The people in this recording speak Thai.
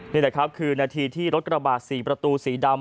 นี่แหละครับคือนาทีที่รถกระบาด๔ประตูสีดำ